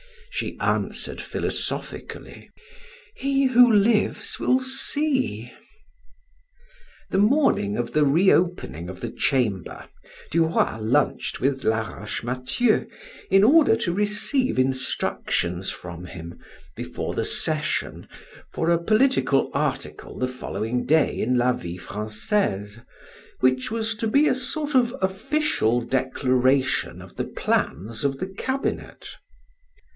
She answered philosophically: "He who lives will see." The morning of the reopening of the Chamber, Du Roy lunched with Laroche Mathieu in order to receive instructions from him, before the session, for a political article the following day in "La Vie Francaise," which was to be a sort of official declaration of the plans of the cabinet.